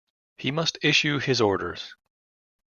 He must issue his orders.